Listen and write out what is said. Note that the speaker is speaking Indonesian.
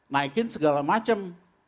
naikin segala macem